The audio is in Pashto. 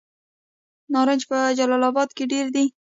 نارنج په جلال اباد کې ډیر دی.